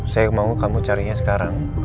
saya mau kamu carinya sekarang